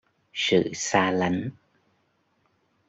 sự xa lánh